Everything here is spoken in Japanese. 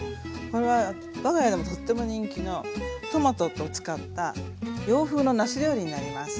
これは我が家でもとっても人気のトマトを使った洋風のなす料理になります。